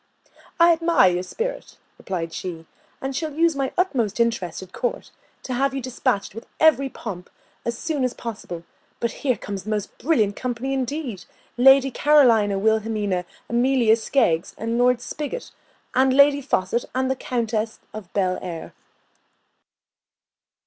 "I admire your spirit," replied she, "and shall use my utmost interest at court to have you despatched with every pomp, and as soon as possible; but here comes a most brilliant company indeed, Lady Carolina Wilhelmina Amelia Skeggs, Lord Spigot, and Lady Faucet, and the Countess of Belleair."